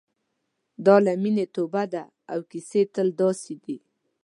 دا له مینې توبه ده او کیسې تل داسې دي.